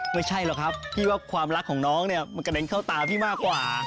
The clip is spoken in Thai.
ไม่ใช่หรอกครับพี่ว่าความรักของน้องเนี่ยมันกระเด็นเข้าตาพี่มากกว่า